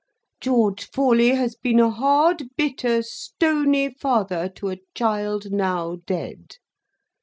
George Forley has been a hard, bitter, stony father to a child now dead.